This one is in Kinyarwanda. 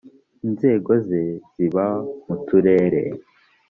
inzego ze ziba mu turere.